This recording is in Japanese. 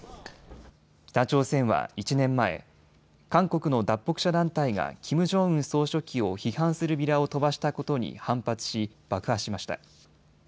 北朝鮮は１年前、韓国の脱北者団体がキム・ジョンウン総書記を批判するビラを飛ばしたことに反発し爆破しました。